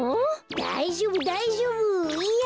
だいじょうぶだいじょうぶいや